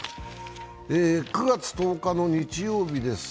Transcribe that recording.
９月１０日の日曜日です。